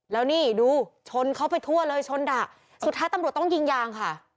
แล้วนี่ดูชนเขาไปทั่วเลยชนดะสุดท้ายตำรวจต้องยิงยางค่ะ